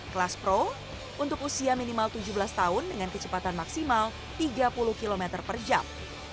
kelas pro untuk usia minimal tujuh belas tahun dengan kecepatan maksimal tiga puluh km per jam